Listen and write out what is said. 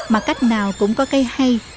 mà cách nào cũng có cây hay